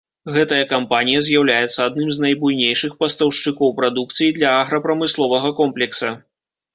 Гэтая кампанія з'яўляецца адным з найбуйнейшых пастаўшчыкоў прадукцыі для аграпрамысловага комплекса.